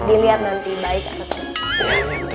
dilihat nanti baik atau tidak